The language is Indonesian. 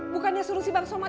bukannya suruh si bang somat